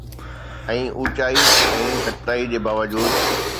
۽ اونچائي ۽ گهٽتائي جي باوجود